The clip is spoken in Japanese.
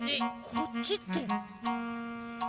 こっちってどっ。